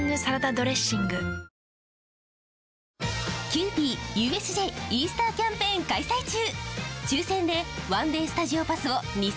キユーピーＵＳＪイースターキャンペーン開催中！